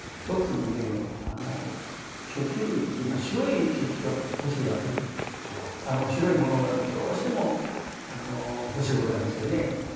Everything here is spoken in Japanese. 特にね食器類というのは白い食器が欲しいわけで白いものがどうしても欲しゅうございますよね。